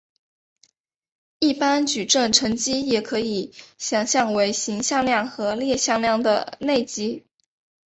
一般矩阵乘积也可以想为是行向量和列向量的内积。